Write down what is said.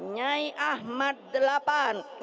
nyai ahmad viii